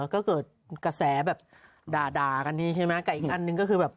ก็เกิดกระแสแบบด่ากันนี้ใช่ไหมกับอีกอันหนึ่งก็คือแบบ